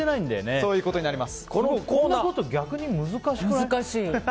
そんなこと、逆に難しくない？